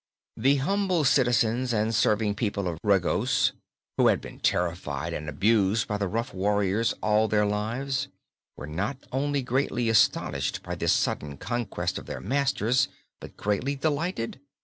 The humble citizens and serving people of Regos, who had been terrified and abused by the rough warriors all their lives, were not only greatly astonished by this sudden conquest of their masters but greatly delighted.